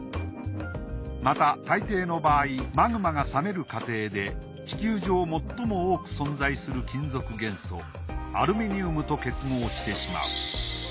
また大抵の場合マグマが冷める過程で地球上最も多く存在する金属元素アルミニウムと結合してしまう。